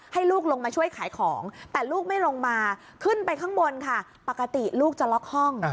ให้ลูกลงมาช่วยขายของแต่ลูกไม่ลงมาขึ้นไปข้างบนค่ะปกติลูกจะล็อกห้อง